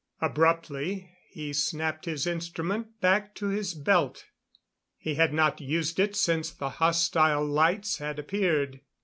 Abruptly he snapped his instrument back to his belt. He had not used it since the hostile lights had appeared.